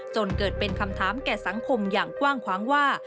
จนเกิดเป็นคำถามแก่สังคมอย่างกว้างขวางว่า